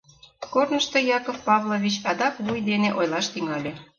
Корнышто Яков Павлович адак вуй дене ойлаш тӱҥале.